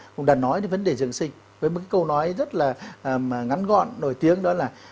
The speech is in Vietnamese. cũng đã nói đến vấn đề dân sinh với một câu nói rất là ngắn gọn nổi tiếng đó là